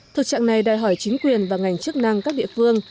thực trạng này đòi hỏi chính quyền và ngành chức năng các địa phương